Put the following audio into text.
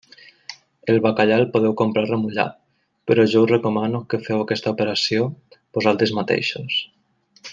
El bacallà el podeu comprar remullat, però jo us recomano que feu aquesta operació vosaltres mateixos.